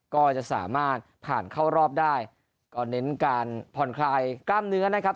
ก็จะสามารถผ่านเข้ารอบได้ก็เน้นการผ่อนคลายกล้ามเนื้อนะครับ